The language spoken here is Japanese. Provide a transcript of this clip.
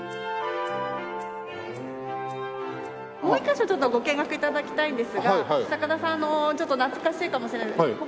もう１カ所ちょっとご見学頂きたいんですが高田さんのちょっと懐かしいかもしれない。